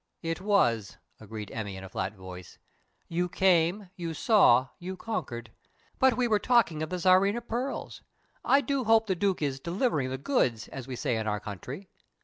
"It was," agreed Emmy, in a flat voice. "You came, you saw, you conquered. But we were talking of the Tsarina pearls. I do hope the Duke is 'delivering the goods', as we say in our country.